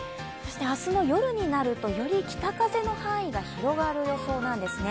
明日の夜になると、より北風の範囲が広がる予想なんですね。